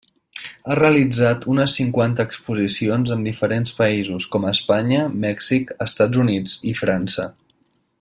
Ha realitzat unes cinquanta exposicions en diferents països, com Espanya, Mèxic, Estats Units i França.